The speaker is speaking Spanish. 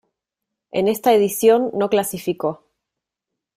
En esta edición no clasificó.